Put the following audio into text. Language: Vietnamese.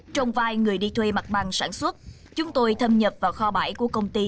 trong vai người đi thuê mặt bằng sản xuất chúng tôi thâm nhập vào kho bãi của công ty